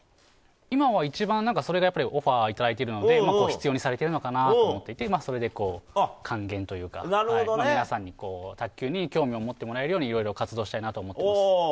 今は一番それがオファーいただいているので必要とされているのかなと思っていて還元というか皆さんに、卓球に興味を持ってもらえるようにいろいろ活動したいと思っています。